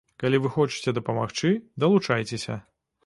Калі вы хочаце дапамагчы, далучайцеся.